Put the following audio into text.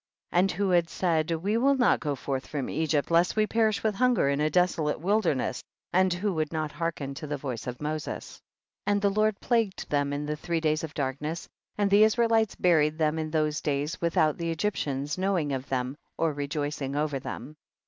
38. And who had said, we will not go forth from Egypt lest we per ish with hunger in a desolate wil derness, and who would not hearken to the voice of Moses. 39. And the Lord plagued them in the three days of darkness, and the Israelites buried them in those days, without the Egyptians know ing of them or rejoicing over them.